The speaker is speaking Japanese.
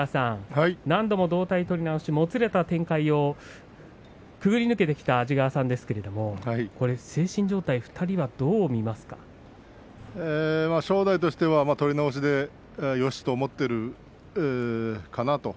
何度も同体取り直しもつれた展開をくぐり抜けてきた安治川さんですけれども正代としては取り直しでよしと思っているかなと。